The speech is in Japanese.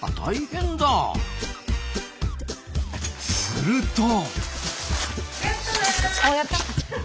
すると。